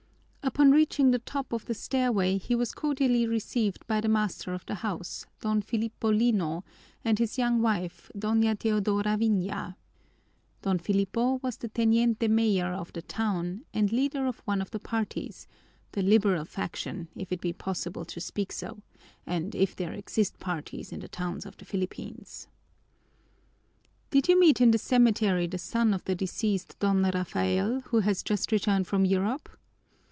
Upon reaching the top of the stairway, he was cordially received by the master of the house, Don Filipo Lino, and his young wife, Doña Teodora Viña. Don Filipo was the teniente mayor of the town and leader of one of the parties the liberal faction, if it be possible to speak so, and if there exist parties in the towns of the Philippines. "Did you meet in the cemetery the son of the deceased Don Rafael, who has just returned from Europe?"